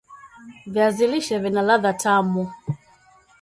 viazi lishe vina ladha tamu